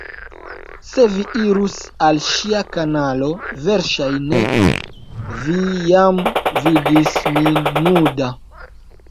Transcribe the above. Se vi irus al ŝia kanalo verŝajne vi jam vidis min nuda